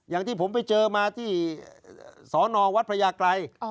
อย่างที่ผมไปเจอมาที่สอนอวัดพระยากรัย